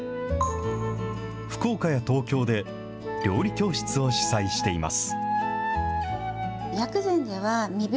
福岡や東京で料理教室を主催しています。